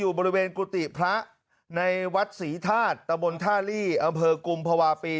บริเวณกุฏิพระในวัดศรีธาตุตะบนท่าลี่อำเภอกุมภาวะปี